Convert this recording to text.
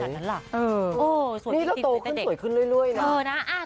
นี่เราโตขึ้นขึ้นเรื่อยนะ